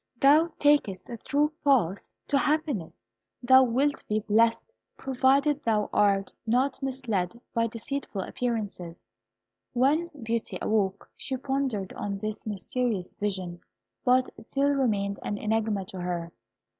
Thou takest the true path to happiness. Thou wilt be blest, provided thou art not misled by deceitful appearances." When Beauty awoke she pondered on this mysterious vision, but it still remained an enigma to her.